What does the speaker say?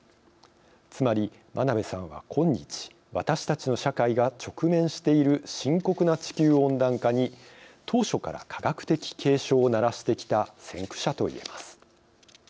つまり真鍋さんは今日、私たちの社会が直面している深刻な地球温暖化に当初から科学的警鐘をならしてきた先駆者と言えます。